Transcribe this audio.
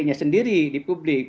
mungkin sendiri di publik